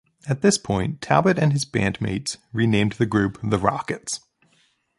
At this point, Talbot and his bandmates renamed the group The Rockets.